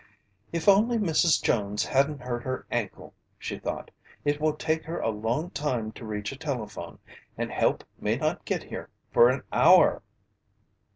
"If only Mrs. Jones hadn't hurt her ankle!" she thought. "It will take her a long while to reach a telephone, and help may not get here for an hour!"